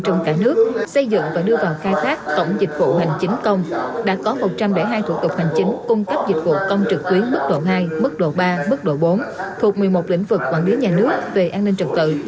trong cả nước xây dựng và đưa vào khai thác tổng dịch vụ hành chính công đã có một trăm linh hai thủ tục hành chính cung cấp dịch vụ công trực tuyến mức độ hai mức độ ba mức độ bốn thuộc một mươi một lĩnh vực quản lý nhà nước về an ninh trật tự